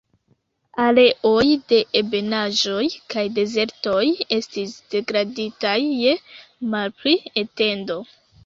Areoj de ebenaĵoj kaj dezertoj estis degraditaj je malpli etendo.